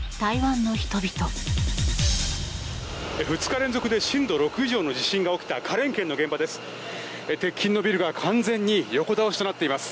２日連続で震度６以上の地震が起きた花蓮県の現場です。